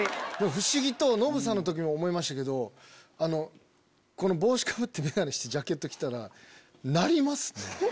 不思議とノブさんの時も思いましたけどこの帽子かぶってメガネしてジャケット着たらなりますね。